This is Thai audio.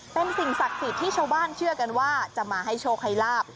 เป็นสิ่งศักดิ์สิทธิ์ที่ชาวบ้านเชื่อกันว่าจะมาให้โชคให้ลาบ